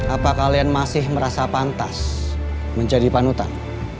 apa kalian masih merasa pantas menjadi panutan